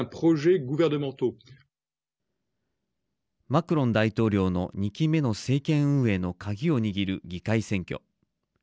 マクロン大統領の２期目の政権運営の鍵を握る議会選挙。